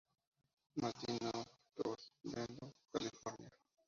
Martin of Tours en Brentwood, California.